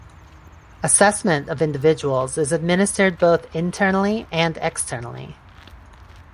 Assessment of individuals is administered both internally and externally.